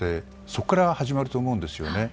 そこから始まると思うんですよね。